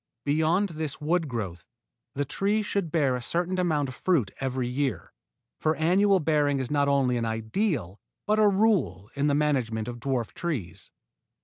Beyond this wood growth the tree should bear a certain amount of fruit every year, for annual bearing is not only an ideal but a rule in the management of dwarf trees.